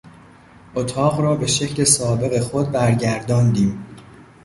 اتاق را به شکل سابق خود برگرداندیم.